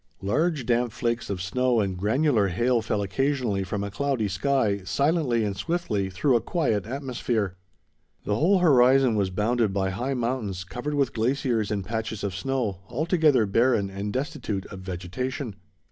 Large damp flakes of snow and granular hail fell occasionally from a cloudy sky, silently and swiftly, through a quiet atmosphere. The whole horizon was bounded by high mountains, covered with glaciers and patches of snow, altogether barren and destitute of vegetation.